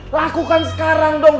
lakukan sekarang dong